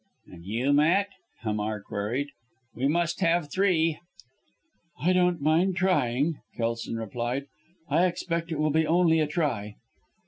"And you, Matt?" Hamar queried. "We must have three." "I don't mind trying," Kelson replied. "I expect it will be only a try."